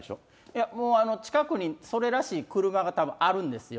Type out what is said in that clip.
いやもう、近くにそれらしい車がたぶんあるんですよ。